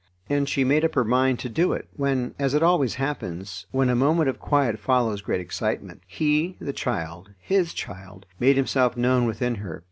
And she made up her mind to do it, when, as it always happens, when a moment of quiet follows great excitement, he, the child his child made himself known within her.